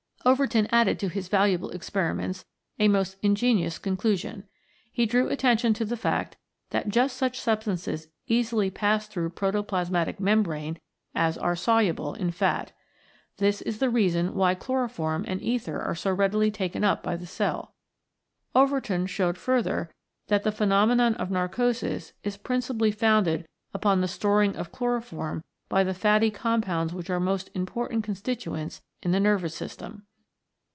Overton added to his valuable experiments a most ingenious conclusion. He drew attention to the fact that just such substances easily pass through the protoplasmatic 38 THE PROTOPLASMATIC MEMBRANE membrane as are soluble in fat. This is the reason why chloroform and ether are so readily taken up by the cell. Overton showed further that the phenomenon of narcosis is principally founded upon the storing of chloroform by the fatty com pounds which are most important constituents in the nervous system.